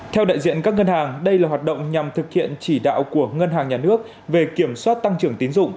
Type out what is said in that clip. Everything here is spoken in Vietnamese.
theo đại diện các ngân hàng đây là hoạt động nhằm thực hiện chỉ đạo của ngân hàng nhà nước về kiểm soát tăng trưởng tín dụng